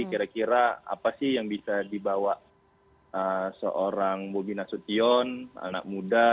kira kira apa sih yang bisa dibawa seorang bobi nasution anak muda